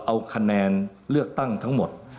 เอาคะแนนเลือกตั้งทั้งหมด